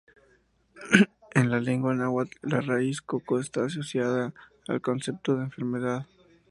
En la lengua náhuatl, la raíz "coco" está asociada al concepto de enfermedad.